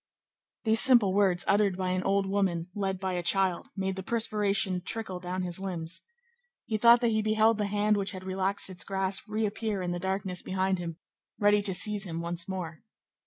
These simple words uttered by an old woman led by a child made the perspiration trickle down his limbs. He thought that he beheld the hand which had relaxed its grasp reappear in the darkness behind him, ready to seize him once more.